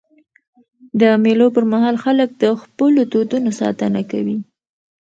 د مېلو پر مهال خلک د خپلو دودونو ساتنه کوي.